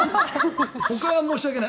ほかは申し訳ない